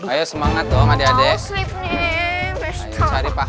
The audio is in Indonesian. ayo semangat dong adek adek